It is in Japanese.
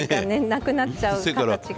なくなっちゃう形が。